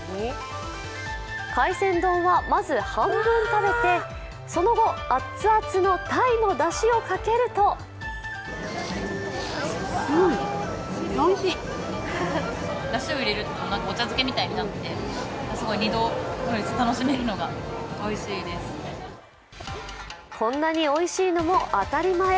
海鮮丼はまず半分食べてその後熱々のタイのだしをかけるとこんなにおいしいのも当たり前。